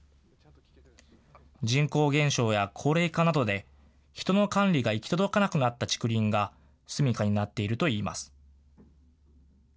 人口減少や高齢化などで、人の管理が行き届かなくなった竹林が住みかになっているといいます。